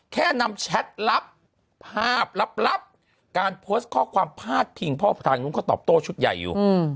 แค่นำแชทรับภาพรับการโพสต์ข้อความพลาดทิ้งพ่อปรักฐานก็ตอบโตชุดใหญ่อยู่